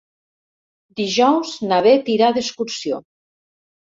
Dijous na Bet irà d'excursió.